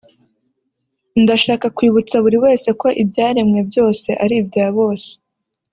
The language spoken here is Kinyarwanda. ndashaka kwibutsa buri wese ko ibyaremwe byose ari ibya bose